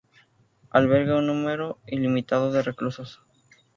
Alberga un número limitado de reclusos.